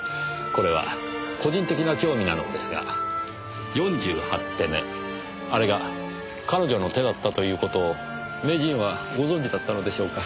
これは個人的な興味なのですが４８手目あれが彼女の手だったという事を名人はご存じだったのでしょうか？